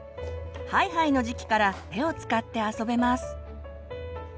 ハイハイの時期から手を使って遊べます。